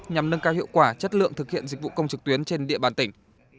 nhằm nâng cao hiệu quả chất lượng thực hiện dịch vụ công trực tuyến trên địa bàn tỉnh